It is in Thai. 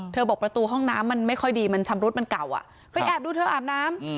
บอกประตูห้องน้ำมันไม่ค่อยดีมันชำรุดมันเก่าอ่ะไปแอบดูเธออาบน้ำ